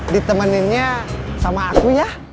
ditemeninnya sama aku ya